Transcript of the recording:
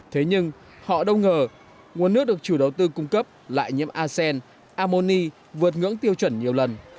thế nhưng họ đông ngờ nguồn nước được chủ đầu tư cung cấp lại nhiễm asean amoni vượt ngưỡng tiêu chuẩn nhiều lần